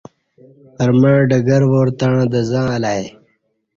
پرمع ڈگروار تݩع دزں الہ ا ی